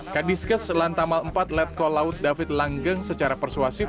kadiskes lantamal empat letkol laut david langgeng secara persuasif